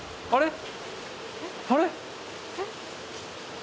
あれ？